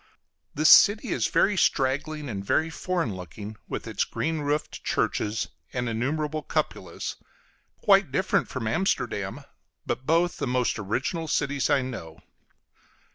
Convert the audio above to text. This city is very straggling, and very foreign looking, with its green roofed churches and innumerable cupolas; quite different from Amsterdam, but both the most original cities I know.